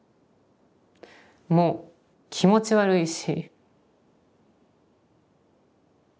もう気持ち悪いし。